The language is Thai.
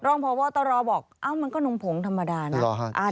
รองพบตรบอกเอ้ามันก็นมผงธรรมดานะ